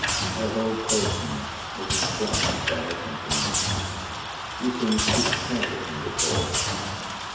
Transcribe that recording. Her whole person was informed by her sentiments. She seemed to be taller than before.